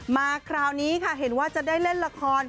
มาคราวนี้ค่ะเห็นว่าจะได้เล่นละคร